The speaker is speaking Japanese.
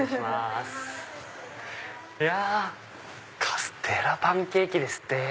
カステラパンケーキですって！